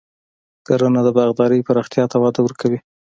کرنه د باغدارۍ پراختیا ته وده ورکوي.